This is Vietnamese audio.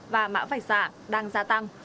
và mã vạch giả đang gia tăng